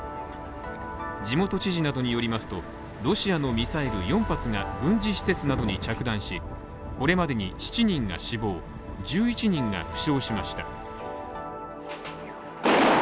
地元知事などによりますとロシアのミサイル４発が軍事施設などに着弾しこれまでに７人が死亡１１人が負傷しました。